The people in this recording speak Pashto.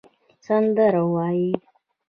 سندرې ووایې